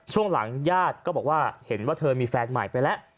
ช่วงหลังญาติก็บอกว่าเห็นว่าเธอมีแฟนใหม่ไปแล้ว